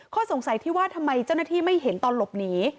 สงสัยที่ว่าทำไมเจ้าหน้าที่ไม่เห็นตอนหลบหนี